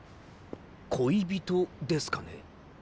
恋人ですかね。